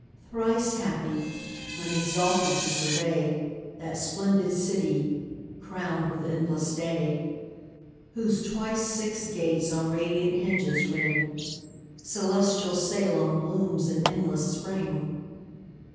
Thrice happy, when exalted to survey That splendid city, crown'd with endless day, Whose twice six gates on radiant hinges ring: Celestial Salem blooms in endless spring.